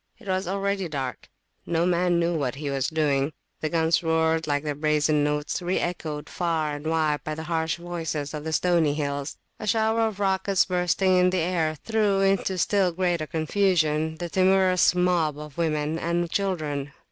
It was already dark: no man knew what he was doing. The guns roared their brazen notes, re echoed far and wide by the harsh voices of the stony hills. A shower of rockets bursting in the air threw into still greater confusion the timorous mob of women and children.